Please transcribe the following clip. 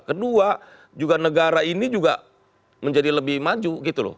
kedua juga negara ini juga menjadi lebih maju gitu loh